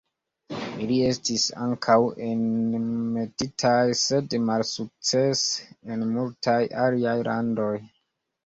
Ili estis ankaŭ enmetitaj sed malsukcese en multaj aliaj landoj.